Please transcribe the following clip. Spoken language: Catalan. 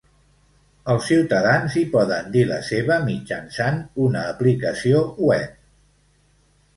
Els ciutadans hi poden dir la seva mitjançant una aplicació web.